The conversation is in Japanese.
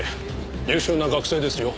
優秀な学生ですよ。